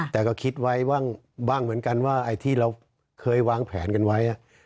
แต่ก็คิดไว้บ้างเหมือนกันว่าไอ้ที่เราเคยวางแผนกันไว้